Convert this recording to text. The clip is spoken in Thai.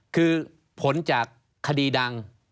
คือผลจากคดีดัง